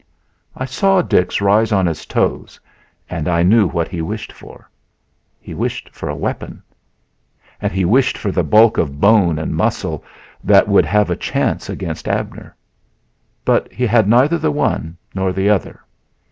I saw Dix rise on his toes and I knew what he wished for. He wished for a weapon; and he wished for the bulk of bone and muscle that would have a chance against Abner. But he had neither the one nor the other.